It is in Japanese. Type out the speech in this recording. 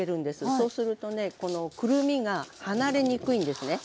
そうするとねこのくるみが離れにくいんですね。